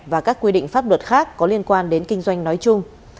và các quy định pháp luật khác có liên quan đến kinh doanh nói chung